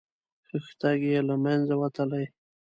خښتګ یې له منځه وتلی.